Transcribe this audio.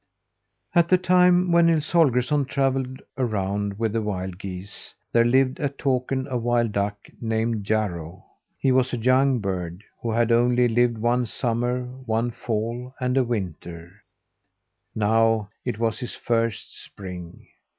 At the time when Nils Holgersson travelled around with the wild geese, there lived at Takern a wild duck named Jarro. He was a young bird, who had only lived one summer, one fall, and a winter; now, it was his first spring.